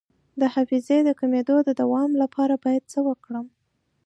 د حافظې د کمیدو د دوام لپاره باید څه وکړم؟